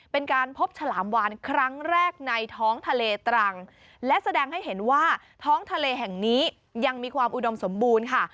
เป็นการพบฉลามวานครั้งแรกในท้องทะเลตรังและแสดงให้เห็นว่าท้องทะเลแห่งนี้ยังมีความอุดมสมบูรณ์ค่ะ